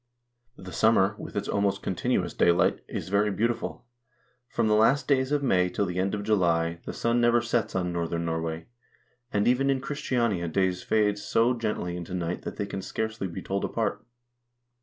The summer, with its almost continuous daylight, is very beauti ful. From the last days of May till the end of July the sun never sets THE COUNTRY AND ITS RESOURCES 3 on northern Norway, and even in Christiania day fades so gently into night that they can scarcely be told apart.